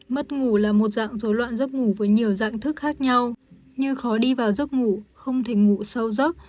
mất ngủ là một dạng dối loạn giấc ngủ với nhiều dạng thức khác nhau như khó đi vào giấc ngủ không thể ngủ sâu giấc